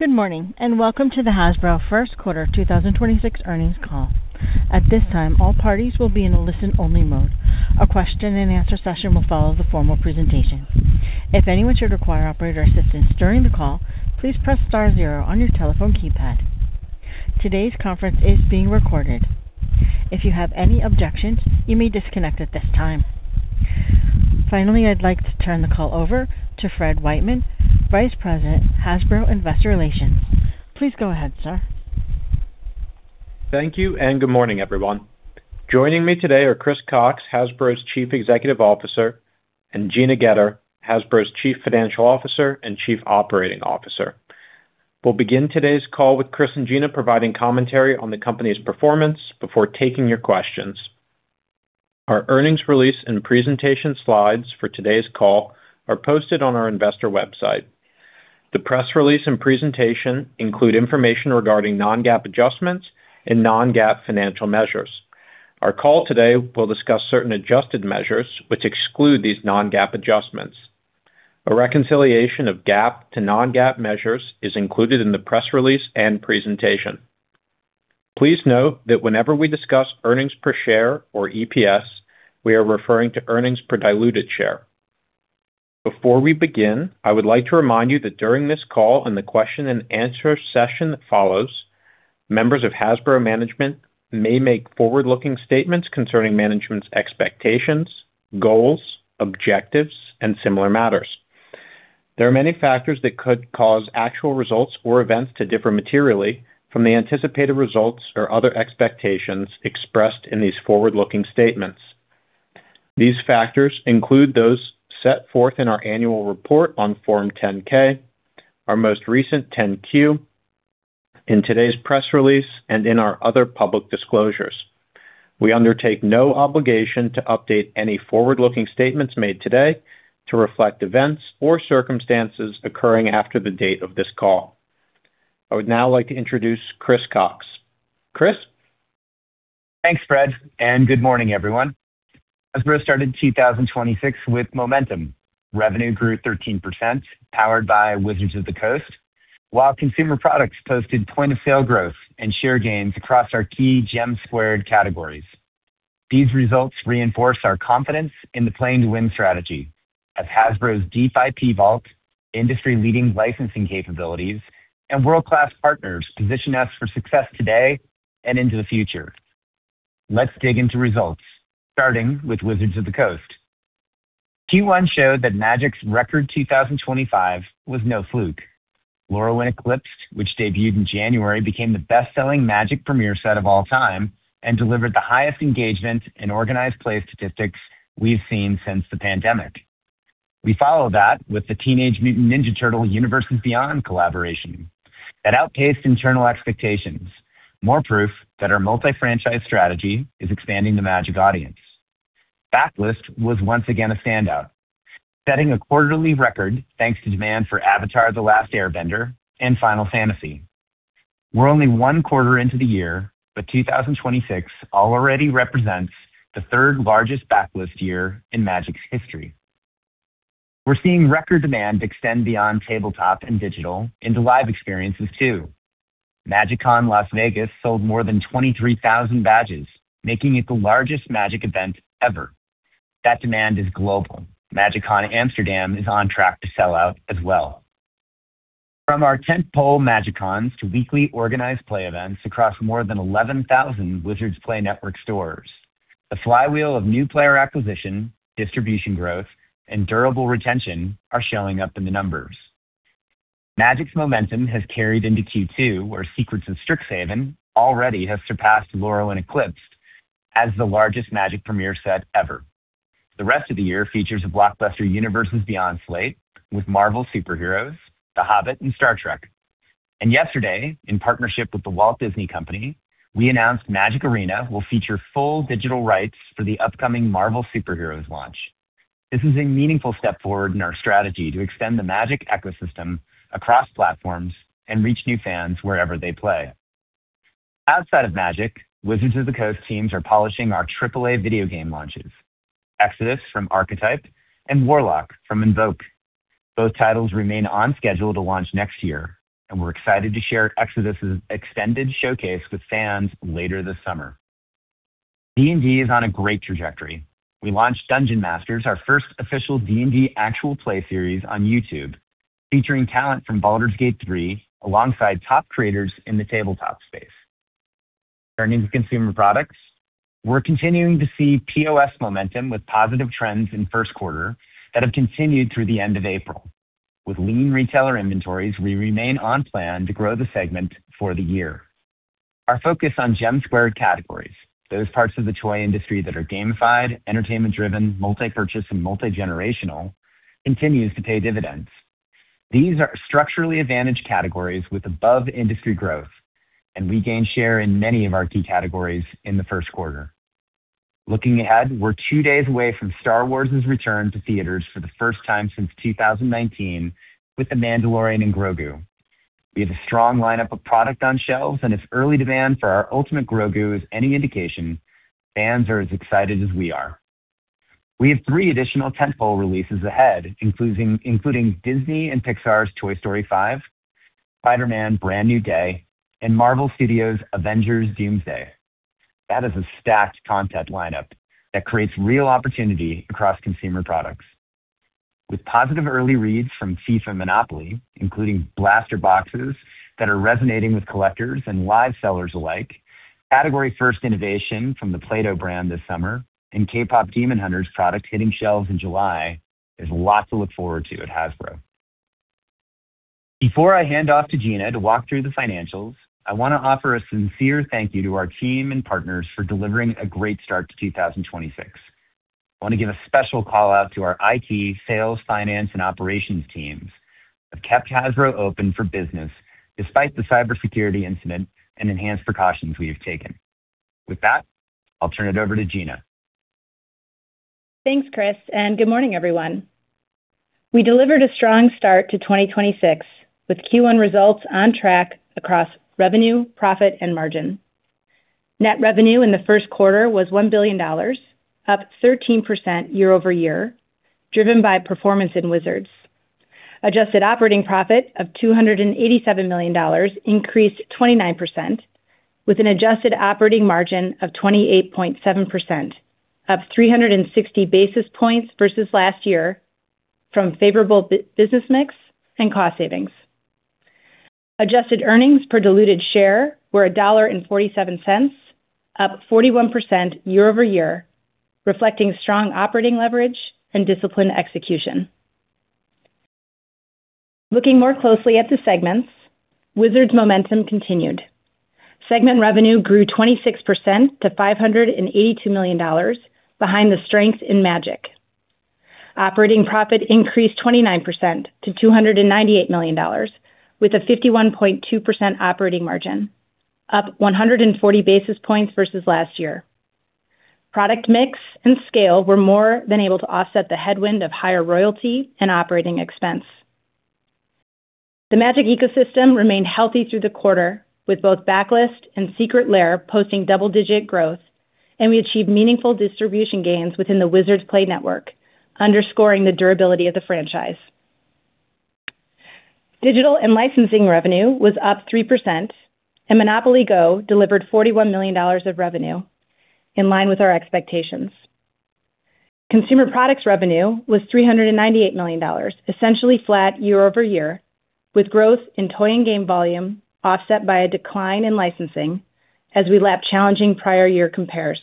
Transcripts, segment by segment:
Good morning, welcome to the Hasbro First Quarter 2026 Earnings Call. At this time, all parties will be in listen-only mode. A question and answer session will follow the formal presentation. If anyone should require operator assistance during the call, please press star zero on your telephone keypad. Today's conference is being recorded. If you have any objections, you may disconnect at this time. Finally, I'd like to turn the call over to Fred Wightman, Vice President, Hasbro Investor Relations. Please go ahead, sir. Thank you. Good morning, everyone. Joining me today are Chris Cocks, Hasbro's Chief Executive Officer, and Gina Goetter, Hasbro's Chief Financial Officer and Chief Operating Officer. We'll begin today's call with Chris and Gina providing commentary on the company's performance before taking your questions. Our earnings release and presentation slides for today's call are posted on our investor website. The press release and presentation include information regarding non-GAAP adjustments and non-GAAP financial measures. Our call today will discuss certain adjusted measures which exclude these non-GAAP adjustments. A reconciliation of GAAP to non-GAAP measures is included in the press release and presentation. Please note that whenever we discuss earnings per share or EPS, we are referring to earnings per diluted share. Before we begin, I would like to remind you that during this call and the question and answer session that follows, members of Hasbro management may make forward-looking statements concerning management's expectations, goals, objectives, and similar matters. There are many factors that could cause actual results or events to differ materially from the anticipated results or other expectations expressed in these forward-looking statements. These factors include those set forth in our annual report on Form 10-K, our most recent 10-Q, in today's press release, and in our other public disclosures. We undertake no obligation to update any forward-looking statements made today to reflect events or circumstances occurring after the date of this call. I would now like to introduce Chris Cocks. Chris? Thanks, Fred, and good morning, everyone. Hasbro started 2026 with momentum. Revenue grew 13%, powered by Wizards of the Coast, while Consumer Products posted point-of-sale growth and share gains across our key GEM2 categories. These results reinforce our confidence in the Playing to Win strategy as Hasbro's deep IP vault, industry-leading licensing capabilities, and world-class partners position us for success today and into the future. Let's dig into results, starting with Wizards of the Coast. Q1 showed that Magic's record 2025 was no fluke. Lorwyn Eclipsed, which debuted in January, became the best-selling Magic premier set of all time and delivered the highest engagement in organized play statistics we've seen since the pandemic. We followed that with the Teenage Mutant Ninja Turtles Universes Beyond collaboration that outpaced internal expectations. More proof that our multi-franchise strategy is expanding the Magic audience. Backlist was once again a standout, setting a quarterly record thanks to demand for Avatar: The Last Airbender and Final Fantasy. We're only one quarter into the year, 2026 already represents the third-largest backlist year in Magic's history. We're seeing record demand extend beyond tabletop and digital into live experiences, too. MagicCon Las Vegas sold more than 23,000 badges, making it the largest Magic event ever. That demand is global. MagicCon Amsterdam is on track to sell out as well. From our tentpole MagicCons to weekly organized play events across more than 11,000 Wizards Play Network stores, the flywheel of new player acquisition, distribution growth, and durable retention are showing up in the numbers. Magic's momentum has carried into Q2, where Secrets of Strixhaven already has surpassed Lorwyn Eclipsed as the largest Magic premier set ever. The rest of the year features a blockbuster Universes Beyond slate with Marvel Superheroes, The Hobbit, and Star Trek. Yesterday, in partnership with The Walt Disney Company, we announced Magic Arena will feature full digital rights for the upcoming Marvel Superheroes launch. This is a meaningful step forward in our strategy to extend the Magic ecosystem across platforms and reach new fans wherever they play. Outside of Magic, Wizards of the Coast teams are polishing our AAA video game launches, EXODUS from Archetype and WARLOCK from Invoke. Both titles remain on schedule to launch next year, and we're excited to share Exodus' extended showcase with fans later this summer. D&D is on a great trajectory. We launched Dungeon Masters, our first official D&D actual play series on YouTube, featuring talent from Baldur's Gate 3 alongside top creators in the tabletop space. Turning to Consumer Products, we're continuing to see POS momentum with positive trends in first quarter that have continued through the end of April. With lean retailer inventories, we remain on plan to grow the segment for the year. Our focus on GEM2 categories, those parts of the toy industry that are gamified, entertainment-driven, multi-purchase, and multi-generational, continues to pay dividends. These are structurally advantaged categories with above-industry growth, and we gained share in many of our key categories in the first quarter. Looking ahead, we're two days away from Star Wars' return to theaters for the first time since 2019 with The Mandalorian & Grogu. We have a strong lineup of product on shelves, and if early demand for our Ultimate Grogu is any indication, fans are as excited as we are. We have three additional tentpole releases ahead, including Disney and Pixar's "Toy Story 5," "Spider-Man: Brand New Day," and Marvel Studios' "Avengers: Doomsday." That is a stacked content lineup that creates real opportunity across Consumer Products. With positive early reads from FIFA Monopoly, including blaster boxes that are resonating with collectors and live sellers alike, category-first innovation from the Play-Doh brand this summer, and K-pop Demon Hunters product hitting shelves in July, there's lots to look forward to at Hasbro. Before I hand off to Gina to walk through the financials, I want to offer a sincere thank you to our team and partners for delivering a great start to 2026. I want to give a special call-out to our IT, sales, finance, and operations teams that have kept Hasbro open for business despite the cybersecurity incident and enhanced precautions we have taken. With that, I'll turn it over to Gina. Thanks, Chris, and good morning, everyone. We delivered a strong start to 2026 with Q1 results on track across revenue, profit, and margin. Net revenue in the first quarter was $1 billion, up 13% year-over-year, driven by performance in Wizards. Adjusted operating profit of $287 million, increased 29%, with an adjusted operating margin of 28.7%, up 360 basis points versus last year from favorable business mix and cost savings. Adjusted earnings per diluted share were $1.47, up 41% year-over-year, reflecting strong operating leverage and disciplined execution. Looking more closely at the segments, Wizards momentum continued. Segment revenue grew 26% to $582 million behind the strength in Magic. Operating profit increased 29% to $298 million, with a 51.2% operating margin, up 140 basis points versus last year. Product mix and scale were more than able to offset the headwind of higher royalty and operating expense. The Magic ecosystem remained healthy through the quarter, with both Backlist and Secret Lair posting double-digit growth, and we achieved meaningful distribution gains within the Wizards Play Network, underscoring the durability of the franchise. Digital and licensing revenue was up 3%, and MONOPOLY GO! delivered $41 million of revenue in line with our expectations. Consumer Products revenue was $398 million, essentially flat year-over-year, with growth in toy and game volume offset by a decline in licensing as we lap challenging prior-year compares.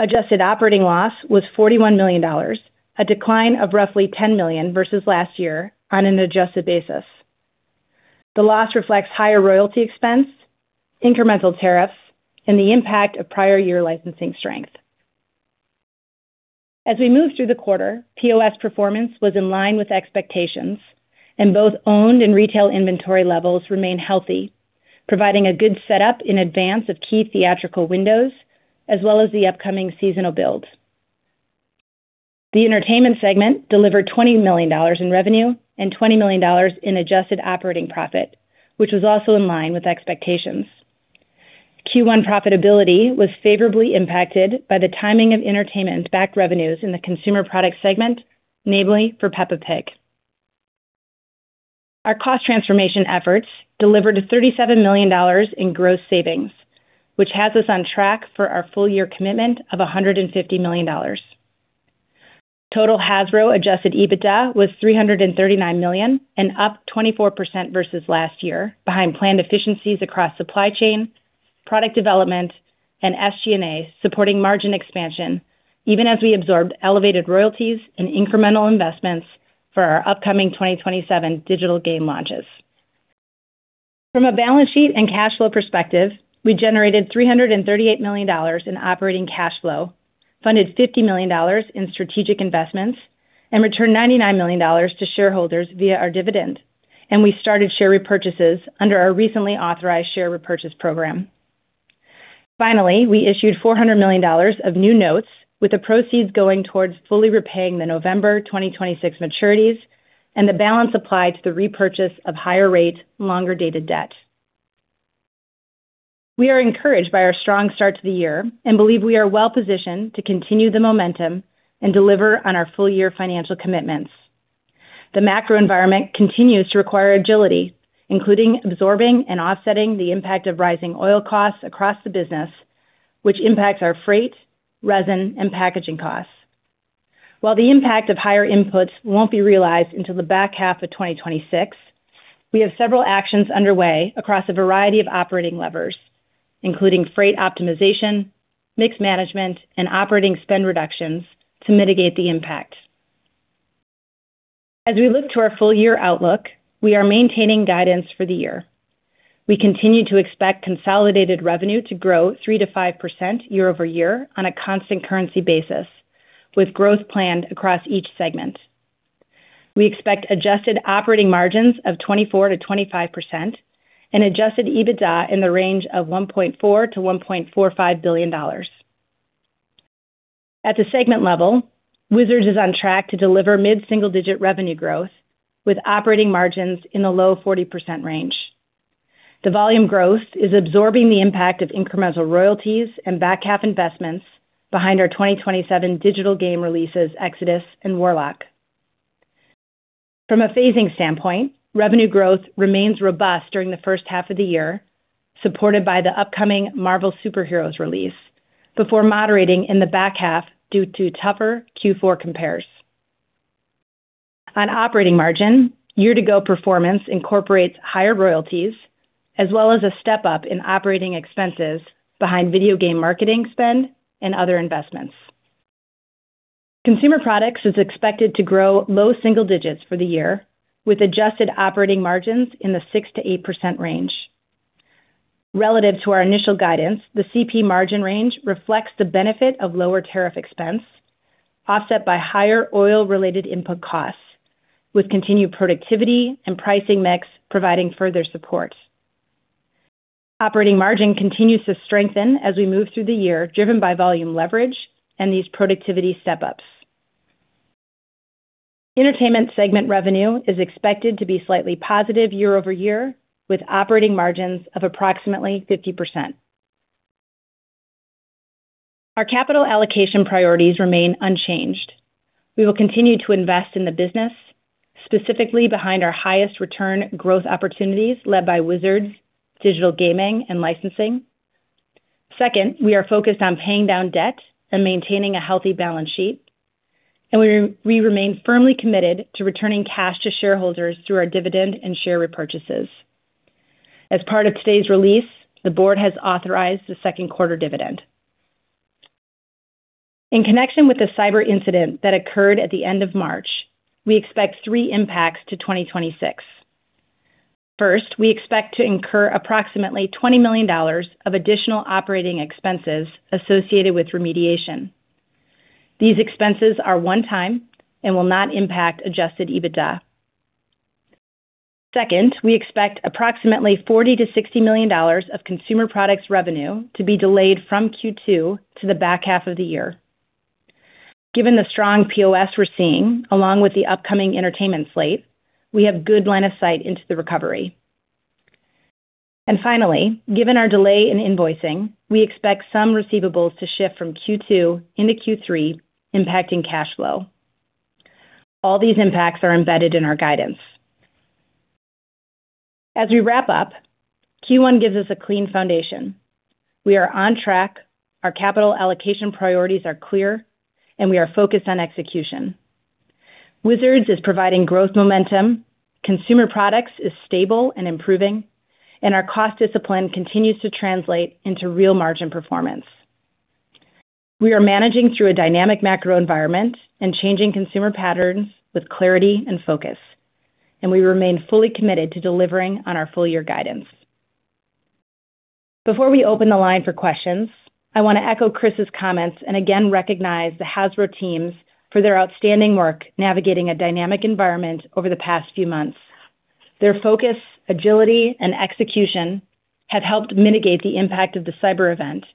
Adjusted operating loss was $41 million, a decline of roughly $10 million versus last year on an adjusted basis. The loss reflects higher royalty expense, incremental tariffs, and the impact of prior-year licensing strength. As we moved through the quarter, POS performance was in line with expectations and both owned and retail inventory levels remain healthy, providing a good setup in advance of key theatrical windows as well as the upcoming seasonal builds. The entertainment segment delivered $20 million in revenue and $20 million in adjusted operating profit, which was also in line with expectations. Q1 profitability was favorably impacted by the timing of entertainment-backed revenues in the Consumer Products segment, namely for Peppa Pig. Our cost transformation efforts delivered $37 million in gross savings, which has us on track for our full-year commitment of $150 million. Total Hasbro adjusted EBITDA was $339 million and up 24% versus last year behind planned efficiencies across supply chain, product development, and SG&A supporting margin expansion even as we absorbed elevated royalties and incremental investments for our upcoming 2027 digital game launches. From a balance sheet and cash flow perspective, we generated $338 million in operating cash flow, funded $50 million in strategic investments, and returned $99 million to shareholders via our dividend, and we started share repurchases under our recently authorized share repurchase program. Finally, we issued $400 million of new notes with the proceeds going towards fully repaying the November 2026 maturities and the balance applied to the repurchase of higher rate, longer-dated debt. We are encouraged by our strong start to the year and believe we are well-positioned to continue the momentum and deliver on our full-year financial commitments. The macro environment continues to require agility, including absorbing and offsetting the impact of rising oil costs across the business, which impacts our freight, resin, and packaging costs. While the impact of higher inputs won't be realized until the back half of 2026, we have several actions underway across a variety of operating levers, including freight optimization, mix management, and operating spend reductions to mitigate the impact. As we look to our full-year outlook, we are maintaining guidance for the year. We continue to expect consolidated revenue to grow 3%-5% year-over-year on a constant currency basis, with growth planned across each segment. We expect adjusted operating margins of 24%-25% and adjusted EBITDA in the range of $1.4 billion-$1.45 billion. At the segment level, Wizards is on track to deliver mid-single-digit revenue growth with operating margins in the low 40% range. The volume growth is absorbing the impact of incremental royalties and back-half investments behind our 2027 digital game releases, "EXODUS" and "WARLOCK." From a phasing standpoint, revenue growth remains robust during the first half of the year, supported by the upcoming "Marvel Super Heroes" release before moderating in the back half due to tougher Q4 compares. On operating margin, year-to-go performance incorporates higher royalties as well as a step-up in operating expenses behind video game marketing spend and other investments. Consumer Products is expected to grow low single-digits for the year, with adjusted operating margins in the 6%-8% range. Relative to our initial guidance, the CP margin range reflects the benefit of lower tariff expense offset by higher oil-related input costs, with continued productivity and pricing mix providing further support. Operating margin continues to strengthen as we move through the year, driven by volume leverage and these productivity step-ups. Entertainment segment revenue is expected to be slightly positive year-over-year, with operating margins of approximately 50%. Our capital allocation priorities remain unchanged. We will continue to invest in the business, specifically behind our highest return growth opportunities led by Wizards, digital gaming and licensing. Second, we are focus on paying down debt and maintaining a healthy balance sheet. We remain firmly committed to returning cash to shareholders through our dividend and share repurchases. As part of today's release, the board has authorized the second quarter dividend. In connection with the cyber incident that occurred at the end of March, we expect three impacts to 2026. First, we expect to incur approximately $20 million of additional operating expenses associated with remediation. These expenses are one time and will not impact adjusted EBITDA. Second, we expect approximately $40 million-$60 million of Consumer Products revenue to be delayed from Q2 to the back half of the year. Given the strong POS we're seeing, along with the upcoming entertainment slate, we have good line of sight into the recovery. Finally, given our delay in invoicing, we expect some receivables to shift from Q2 into Q3, impacting cash flow. All these impacts are embedded in our guidance. As we wrap-up, Q1 gives us a clean foundation. We are on track, our capital allocation priorities are clear, and we are focused on execution. Wizards is providing growth momentum, Consumer Products is stable and improving, and our cost discipline continues to translate into real margin performance. We are managing through a dynamic macro environment and changing consumer patterns with clarity and focus, and we remain fully committed to delivering on our full-year guidance. Before we open the line for questions, I want to echo Chris's comments and again recognize the Hasbro teams for their outstanding work navigating a dynamic environment over the past few months. Their focus, agility, and execution have helped mitigate the impact of the cyber event and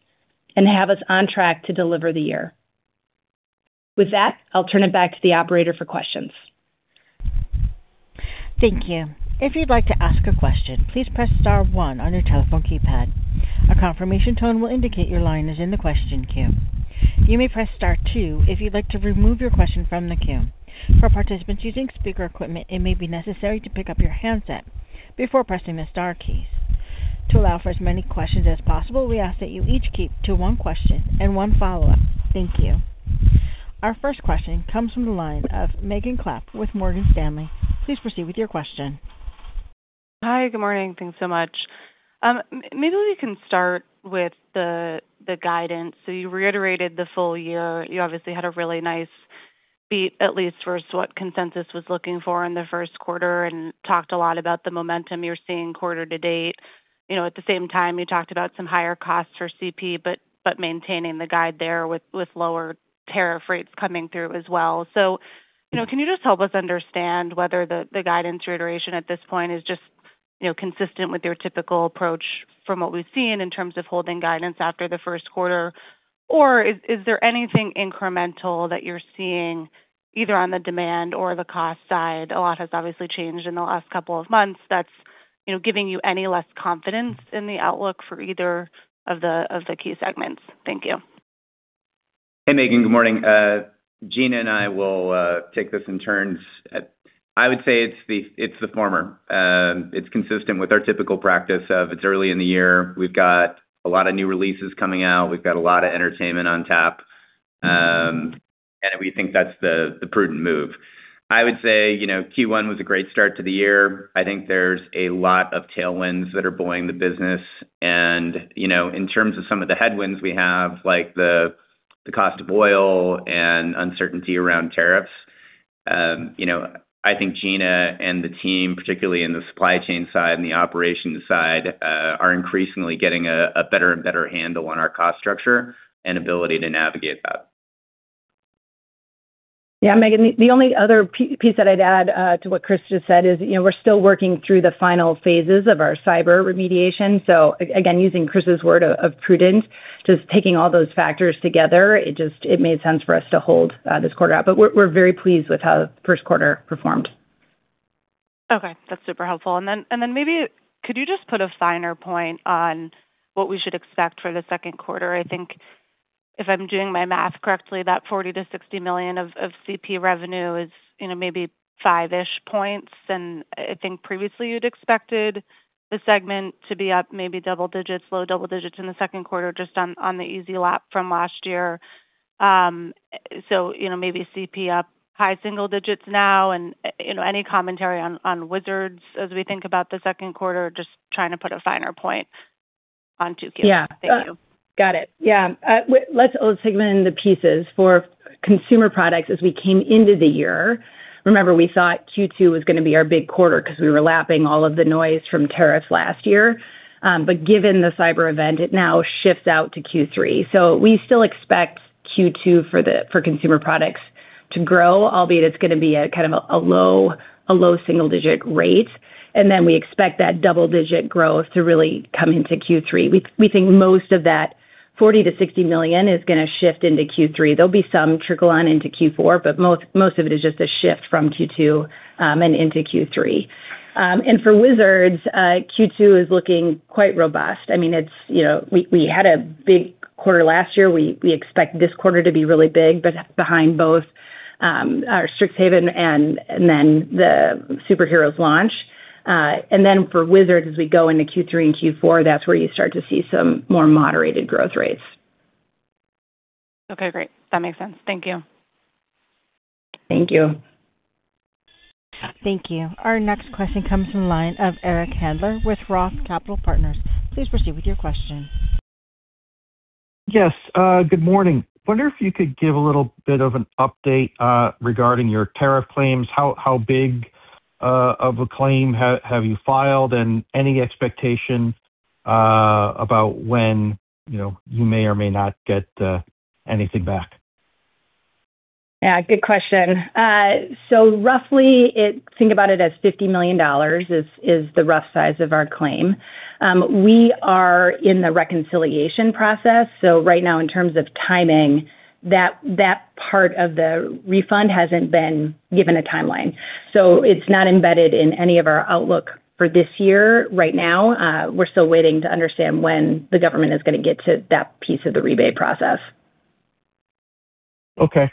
have us on track to deliver the year. With that, I'll turn it back to the operator for questions. Thank you. If you'd like to ask a question, please press star one on your telephone keypad. A confirmation tone will indicate your line is in the question queue. You may press star two if you'd like to remove your question from the queue. For participants using speaker equipment, it may be necessary to pick up your handset before pressing the star keys. To allow for as many questions as possible, we ask that you each keep to one question and one follow-up. Thank you. Our first question comes from the line of Megan Clapp with Morgan Stanley. Please proceed with your question. Hi. Good morning. Thanks so much. Maybe we can start with the guidance. You obviously had a really nice beat, at least versus what consensus was looking for in the first quarter, and talked a lot about the momentum you're seeing quarter to date. At the same time, you talked about some higher costs for CP, but maintaining the guide there with lower tariff rates coming through as well. Can you just help us understand whether the guidance reiteration at this point is just consistent with your typical approach from what we've seen in terms of holding guidance after the first quarter, or is there anything incremental that you're seeing either on the demand or the cost side? A lot has obviously changed in the last couple of months that's giving you any less confidence in the outlook for either of the key segments? Thank you. Hey, Megan, good morning. Gina and I will take this in turns. I would say it's the former. It's consistent with our typical practice of it's early in the year. We've got a lot of new releases coming out. We've got a lot of entertainment on tap. We think that's the prudent move. I would say, Q1 was a great start to the year. I think there's a lot of tailwinds that are blowing the business and in terms of some of the headwinds we have, like the cost of oil and uncertainty around tariffs, I think Gina and the team, particularly in the supply chain side and the operations side, are increasingly getting a better and better handle on our cost structure and ability to navigate that. Megan, the only other piece that I'd add to what Chris just said is we're still working through the final phases of our cyber remediation. Again, using Chris's word of prudent, just taking all those factors together, it made sense for us to hold this quarter out. We're very pleased with how the first quarter performed. Okay, that's super helpful. Maybe could you just put a finer point on what we should expect for the second quarter? I think if I'm doing my math correctly, that $40 million-$60 million of CP revenue is maybe five-ish points than I think previously you'd expected the segment to be up maybe double-digits, low double-digits in the second quarter just on the easy lap from last year. Maybe CP up high single-digits now, any commentary on Wizards as we think about the second quarter, just trying to put a finer point on 2Q. Thank you. Got it. Yeah. Let's segment into pieces. For Consumer Products, as we came into the year, remember, we thought Q2 was going to be our big quarter because we were lapping all of the noise from tariffs last year. Given the cyber event, it now shifts out to Q3. We still expect Q2 for Consumer Products to grow, albeit it's going to be at kind of a low single-digit rate. We expect that double-digit growth to really come into Q3. We think most of that $40 million-$60 million is going to shift into Q3. There'll be some trickle on into Q4, but most of it is just a shift from Q2 and into Q3. For Wizards, Q2 is looking quite robust. We had a big quarter last year. We expect this quarter to be really big, behind both our Strixhaven and then the Super Heroes launch. For Wizards, as we go into Q3 and Q4, that's where you start to see some more moderated growth rates. Okay, great. That makes sense. Thank you. Thank you. Thank you. Our next question comes from the line of Eric Handler with Roth Capital Partners. Please proceed with your question. Yes, good morning. Wonder if you could give a little bit of an update regarding your tariff claims? How big of a claim have you filed, and any expectation about when you may or may not get anything back? Yeah, good question. Roughly, think about it as $50 million is the rough size of our claim. We are in the reconciliation process. Right now in terms of timing, that part of the refund hasn't been given a timeline, so it's not embedded in any of our outlook for this year right now. We're still waiting to understand when the government is going to get to that piece of the rebate process. Okay.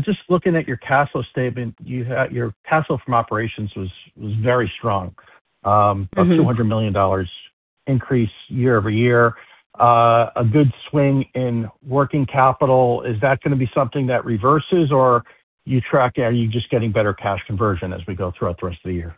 Just looking at your cash flow statement, your cash flow from operations was very strong. +$200 million increase year-over-year. A good swing in working capital. Is that going to be something that reverses, or are you just getting better cash conversion as we go throughout the rest of the year?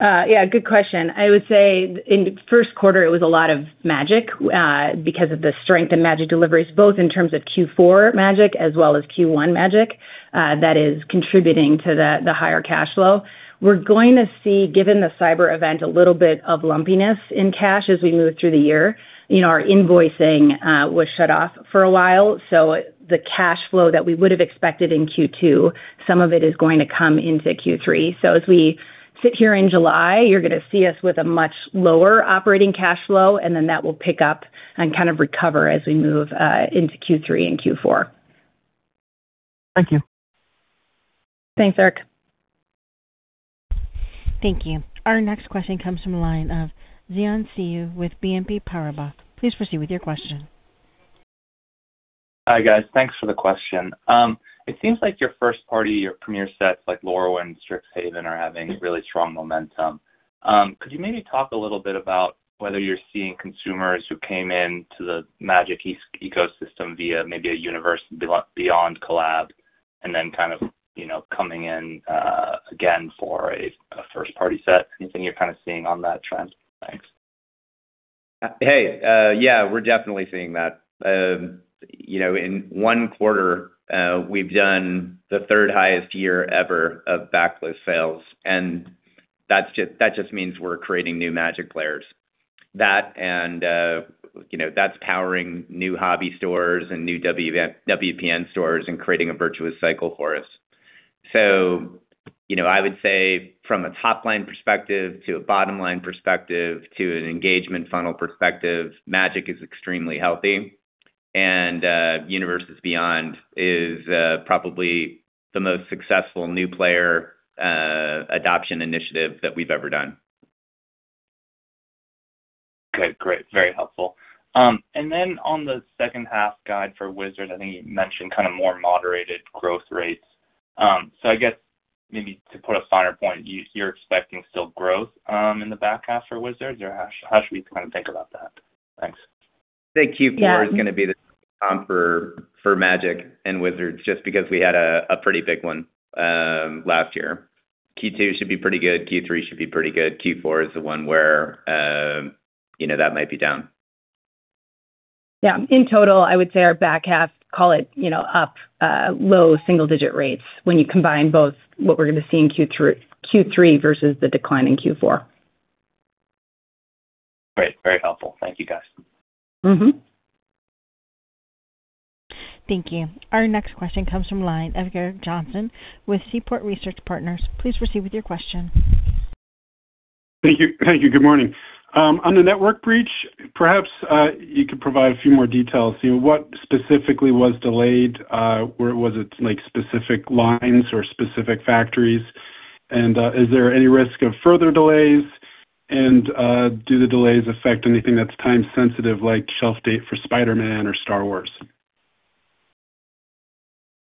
Yeah, good question. I would say in the first quarter it was a lot of Magic because of the strength in Magic deliveries, both in terms of Q4 Magic as well as Q1 Magic. That is contributing to the higher cash flow. We're going to see, given the cyber event, a little bit of lumpiness in cash as we move through the year. Our invoicing was shut off for a while, the cash flow that we would have expected in Q2, some of it is going to come into Q3. As we sit here in July, you're going to see us with a much lower operating cash flow, and then that will pick up and kind of recover as we move into Q3 and Q4. Thank you. Thanks, Eric. Thank you. Our next question comes from the line of Xian Siew with BNP Paribas. Please proceed with your question. Hi, guys. Thanks for the question. It seems like your first-party or Premier sets like Lorwyn and Strixhaven are having really strong momentum. Could you maybe talk a little bit about whether you're seeing consumers who came into the Magic ecosystem via maybe a Universes Beyond collab and then kind of coming in again for a first-party set? Anything you're kind of seeing on that trend? Thanks. Hey. Yeah, we're definitely seeing that. In one quarter, we've done the third highest year ever of backlist sales, and that just means we're creating new Magic players. That's powering new hobby stores and new WPN stores and creating a virtuous cycle for us. I would say from a top-line perspective to a bottom-line perspective to an engagement funnel perspective, Magic is extremely healthy, and Universes Beyond is probably the most successful new player adoption initiative that we've ever done. Okay, great. Very helpful. On the second half guide for Wizards, I think you mentioned kind of more moderated growth rates. I guess maybe to put a finer point, you're expecting still growth in the back half for Wizards? How should we kind of think about that? Thanks. I think Q4 is going to be the for Magic and Wizards, just because we had a pretty big one last year. Q2 should be pretty good. Q3 should be pretty good. Q4 is the one where that might be down. Yeah. In total, I would say our back half, call it up low single-digit rates when you combine both what we're going to see in Q3 versus the decline in Q4. Great. Very helpful. Thank you, guys. Thank you. Our next question comes from line of Gerrick Johnson with Seaport Research Partners. Please proceed with your question. Thank you. Good morning. On the network breach, perhaps you could provide a few more details. What specifically was delayed? Was it specific lines or specific factories? Is there any risk of further delays? Do the delays affect anything that's time sensitive, like shelf date for Spider-Man or Star Wars?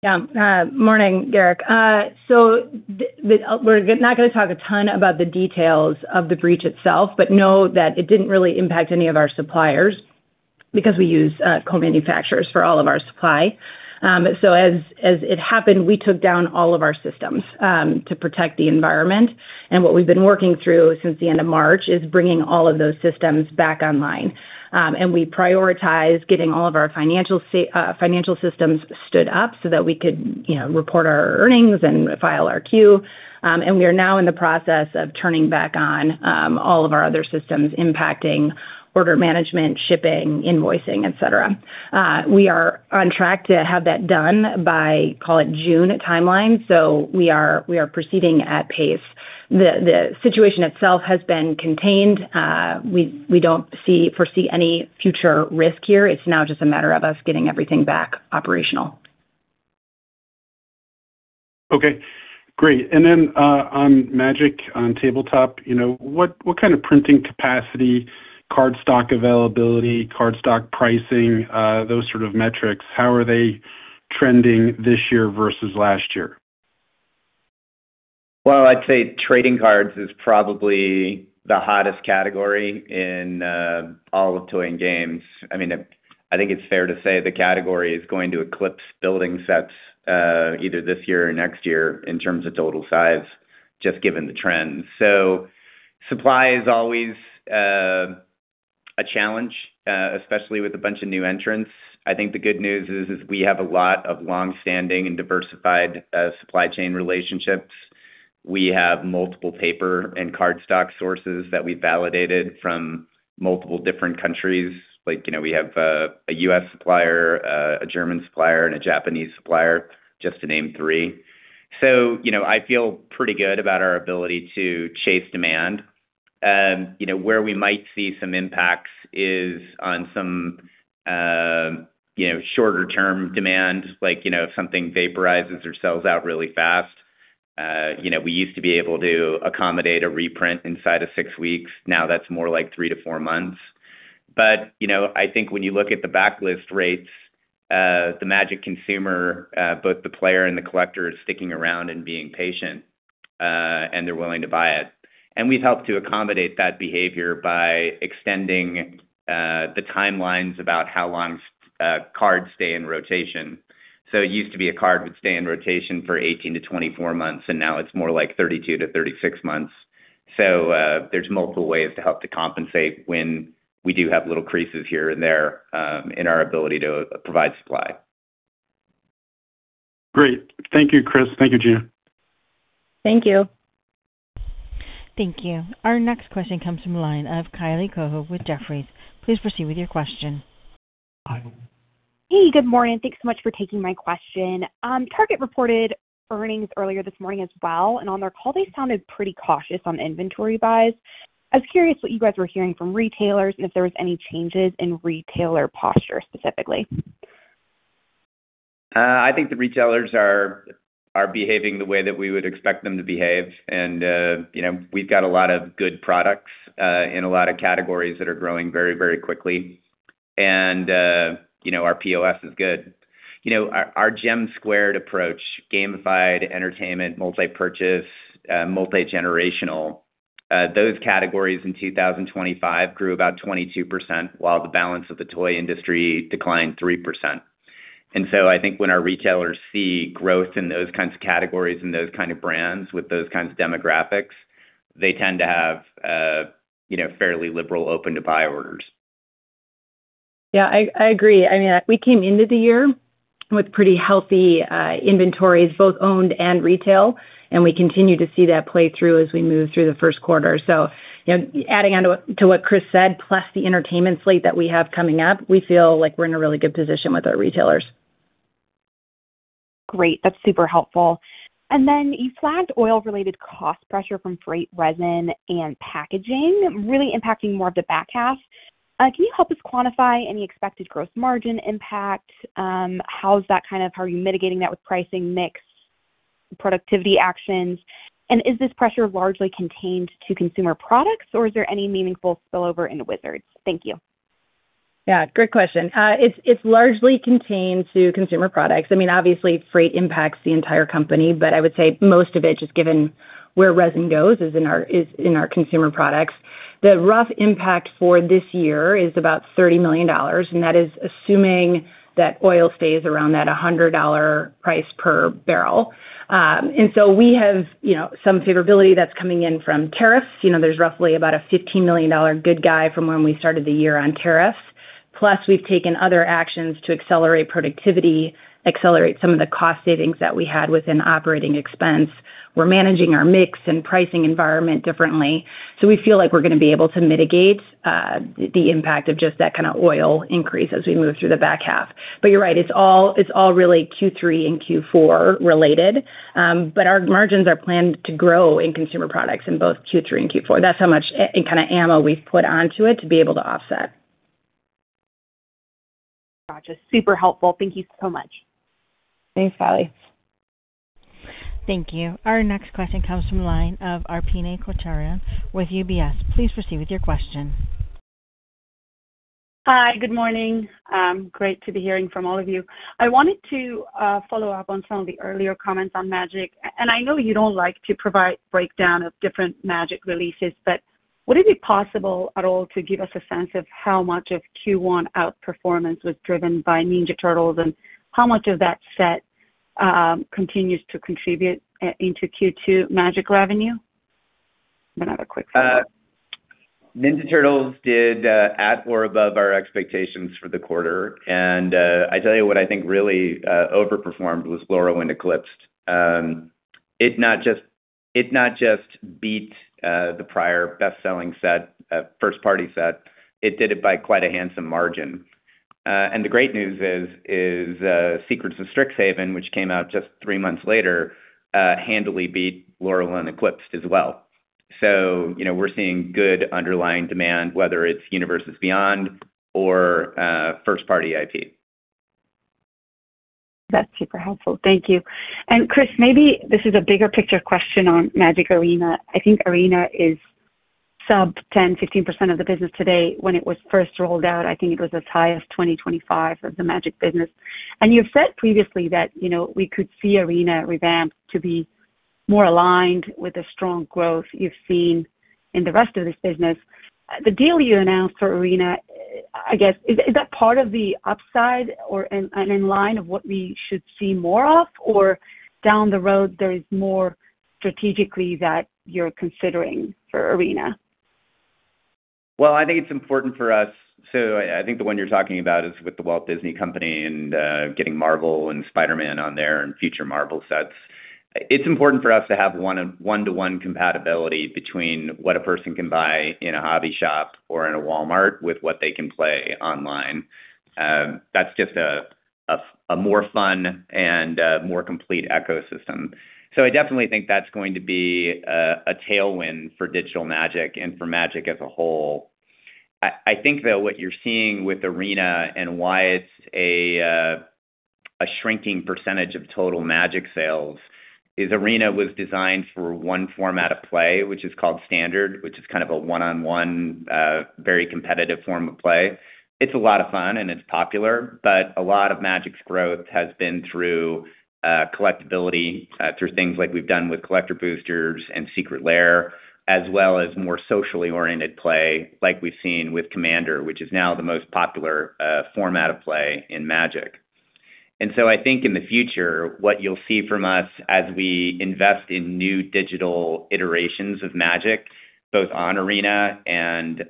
Morning, Gerrick. We're not going to talk a ton about the details of the breach itself, but know that it didn't really impact any of our suppliers because we use co-manufacturers for all of our supply. As it happened, we took down all of our systems to protect the environment. What we've been working through since the end of March is bringing all of those systems back online. We prioritize getting all of our financial systems stood up so that we could report our earnings and file our Q. We are now in the process of turning back on all of our other systems impacting order management, shipping, invoicing, etc. We are on track to have that done by, call it June timeline. We are proceeding at pace. The situation itself has been contained. We don't foresee any future risk here. It's now just a matter of us getting everything back operational. Okay, great. On Magic, on tabletop, what kind of printing capacity, card stock availability, card stock pricing, those sort of metrics, how are they trending this year versus last year? Well, I'd say trading cards is probably the hottest category in all of toy and games. I think it's fair to say the category is going to eclipse building sets either this year or next year in terms of total size, just given the trends. Supply is always a challenge, especially with a bunch of new entrants. I think the good news is we have a lot of longstanding and diversified supply chain relationships. We have multiple paper and card stock sources that we validated from multiple different countries. We have a U.S. supplier, a German supplier, and a Japanese supplier, just to name three. I feel pretty good about our ability to chase demand. Where we might see some impacts is on some shorter-term demand. Like, if something vaporizes or sells out really fast, we used to be able to accommodate a reprint inside of six weeks. That's more like three to four months. I think when you look at the backlist rates, the Magic consumer, both the player and the collector, is sticking around and being patient, and they're willing to buy it. We've helped to accommodate that behavior by extending the timelines about how long cards stay in rotation. It used to be a card would stay in rotation for 18 to 24 months, and now it's more like 32 to 36 months. There's multiple ways to help to compensate when we do have little creases here and there in our ability to provide supply. Great. Thank you, Chris. Thank you, Gina. Thank you. Thank you. Our next question comes from the line of Kylie Cohu with Jefferies. Please proceed with your question. Hey, good morning. Thanks so much for taking my question. Target reported earnings earlier this morning as well, and on their call, they sounded pretty cautious on inventory buys. I was curious what you guys were hearing from retailers and if there was any changes in retailer posture specifically. I think the retailers are behaving the way that we would expect them to behave. We've got a lot of good products in a lot of categories that are growing very quickly. Our POS is good. Our GEM2 approach, gamified entertainment, multi-purchase, multi-generational, those categories in 2025 grew about 22%, while the balance of the toy industry declined 3%. I think when our retailers see growth in those kinds of categories and those kind of brands with those kinds of demographics, they tend to have fairly liberal open-to-buy orders. Yeah, I agree. We came into the year with pretty healthy inventories, both owned and retail, and we continue to see that play through as we move through the first quarter. Adding on to what Chris said, plus the entertainment slate that we have coming up, we feel like we're in a really good position with our retailers. Great. That's super helpful. You flagged oil-related cost pressure from freight resin and packaging really impacting more of the back half. Can you help us quantify any expected gross margin impact? How are you mitigating that with pricing mix, productivity actions? Is this pressure largely contained to Consumer Products or is there any meaningful spillover into Wizards? Thank you. Yeah, great question. It's largely contained to Consumer Products. Obviously, freight impacts the entire company, but I would say most of it, just given where resin goes, is in our Consumer Products. The rough impact for this year is about $30 million, that is assuming that oil stays around that $100 price per barrel. We have some favorability that's coming in from tariffs. There's roughly about a $15 million good guy from when we started the year on tariffs. Plus, we've taken other actions to accelerate productivity, accelerate some of the cost savings that we had within operating expense. We're managing our mix and pricing environment differently. We feel like we're going to be able to mitigate the impact of just that kind of oil increase as we move through the back half. You're right, it's all really Q3 and Q4 related. Our margins are planned to grow in Consumer Products in both Q3 and Q4. That's how much ammo we've put onto it to be able to offset. Gotcha. Super helpful. Thank you so much. Thanks, Kylie. Thank you. Our next question comes from the line of Arpine Kocharian with UBS. Please proceed with your question. Hi. Good morning. Great to be hearing from all of you. I wanted to follow-up on some of the earlier comments on Magic. I know you don't like to provide breakdown of different Magic releases, but would it be possible at all to give us a sense of how much of Q1 outperformance was driven by Ninja Turtles, and how much of that set continues to contribute into Q2 Magic revenue? I have a quick follow-up. Ninja Turtles did at or above our expectations for the quarter. I tell you what I think really overperformed was Lorwyn Eclipsed. It not just beat the prior best-selling set, first-party set, it did it by quite a handsome margin. The great news is Secrets of Strixhaven, which came out just three months later handily beat Lorwyn Eclipsed as well. We're seeing good underlying demand, whether it's Universes Beyond or first-party IP. That's super helpful. Thank you. Chris, maybe this is a bigger picture question on Magic Arena. I think Arena is sub 10%-15% of the business today. When it was first rolled out, I think it was as high as 20%-25% of the Magic business. You've said previously that we could see Arena revamped to be more aligned with the strong growth you've seen in the rest of this business. The deal you announced for Arena, I guess, is that part of the upside or in line of what we should see more of, or down the road, there is more strategically that you're considering for Arena? Well, I think it's important for us. I think the one you're talking about is with The Walt Disney Company and getting Marvel and Spider-Man on there and future Marvel sets. It's important for us to have one-to-one compatibility between what a person can buy in a hobby shop or in a Walmart with what they can play online. That's just a more fun and more complete ecosystem. I definitely think that's going to be a tailwind for digital Magic and for Magic as a whole. I think that what you're seeing with Arena and why it's a shrinking percentage of total Magic sales is Arena was designed for one format of play, which is called Standard, which is kind of a one-on-one very competitive form of play. It's a lot of fun, and it's popular, but a lot of Magic's growth has been through collectability, through things like we've done with collector boosters and Secret Lair, as well as more socially oriented play like we've seen with Commander, which is now the most popular format of play in Magic. I think in the future, what you'll see from us as we invest in new digital iterations of Magic, both on Arena and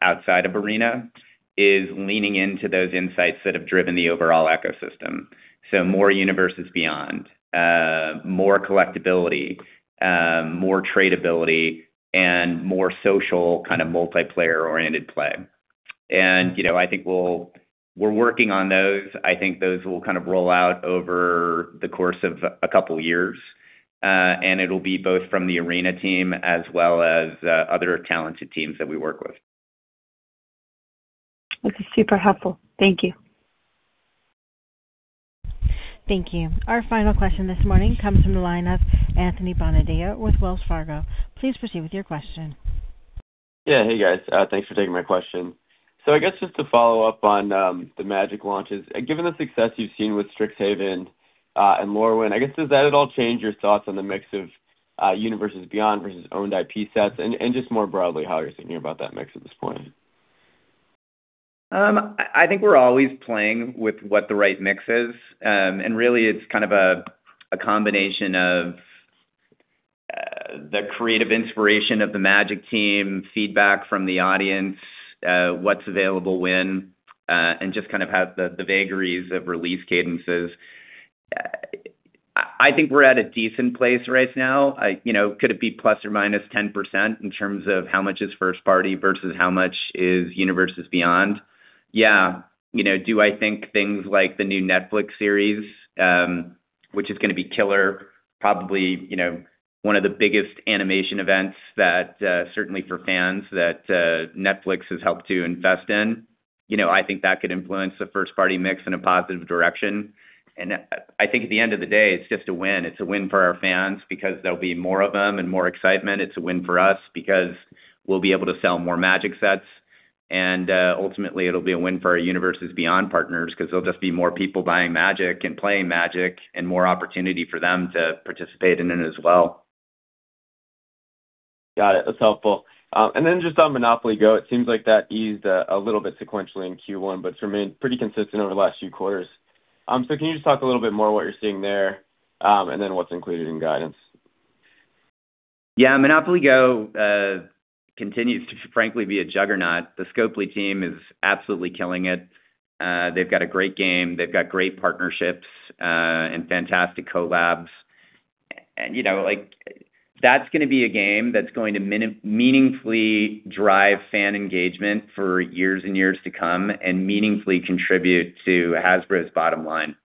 outside of Arena, is leaning into those insights that have driven the overall ecosystem. More Universes Beyond, more collectability, more tradability, and more social kind of multiplayer-oriented play. I think we're working on those. I think those will kind of roll out over the course of a couple of years. It'll be both from the Arena team as well as other talented teams that we work with. This is super helpful. Thank you. Thank you. Our final question this morning comes from the line of Anthony Bonadio with Wells Fargo. Please proceed with your question. Yeah. Hey, guys. Thanks for taking my question. I guess just to follow-up on the Magic launches, given the success you've seen with Strixhaven and Lorwyn, I guess, does that at all change your thoughts on the mix of Universes Beyond versus owned IP sets? Just more broadly, how you're thinking about that mix at this point. I think we're always playing with what the right mix is. Really, it's kind of a combination of the creative inspiration of the Magic team, feedback from the audience, what's available when, and just kind of have the vagaries of release cadences. I think we're at a decent place right now. Could it be ±10% in terms of how much is first party versus how much is Universes Beyond? Yeah. Do I think things like the new Netflix series, which is going to be killer, probably one of the biggest animation events that, certainly for fans, that Netflix has helped to invest in. I think that could influence the first-party mix in a positive direction. I think at the end of the day, it's just a win. It's a win for our fans because there'll be more of them and more excitement. It's a win for us because we'll be able to sell more Magic sets. Ultimately, it'll be a win for our Universes Beyond partners because there'll just be more people buying Magic and playing Magic and more opportunity for them to participate in it as well. Got it. That's helpful. Just on MONOPOLY GO! It seems like that eased a little bit sequentially in Q1 but remained pretty consistent over the last few quarters. Can you just talk a little bit more what you're seeing there, and then what's included in guidance? Yeah. MONOPOLY GO! continues to frankly be a juggernaut. The Scopely team is absolutely killing it. They've got a great game, they've got great partnerships, and fantastic collabs. That's going to be a game that's going to meaningfully drive fan engagement for years and years to come and meaningfully contribute to Hasbro's bottom line.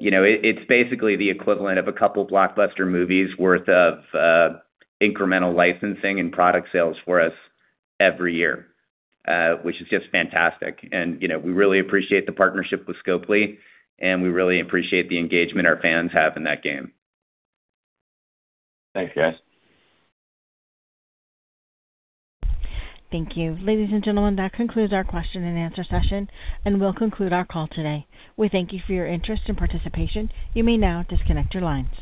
It's basically the equivalent of a couple blockbuster movies worth of incremental licensing and product sales for us every year, which is just fantastic. We really appreciate the partnership with Scopely, and we really appreciate the engagement our fans have in that game. Thanks, guys. Thank you. Ladies and gentlemen, that concludes our question and answer session, and we will conclude our call today. We thank you for your interest and participation. You may now disconnect your line.